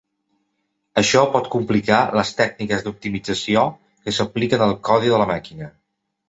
Això pot complicar les tècniques d'optimització que s'apliquen al codi de la màquina.